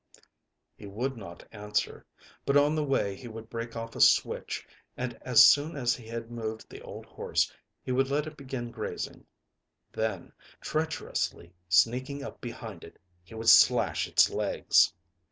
â He would not answer; but on the way he would break off a switch, and, as soon as he had moved the old horse, he would let it begin grazing; then, treacherously sneaking up behind it, he would slash its legs.